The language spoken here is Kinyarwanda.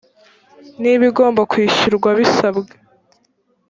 niba igomba kwishyurwa bisabwe